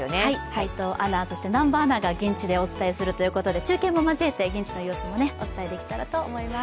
齋藤アナ、そして南波アナが現地でお伝えするということで中継も交えて現地の様子もお伝えできたらと思います。